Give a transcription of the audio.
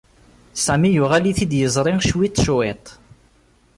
Sami yuɣal-it-id yiẓri cwiṭ, cwiṭ.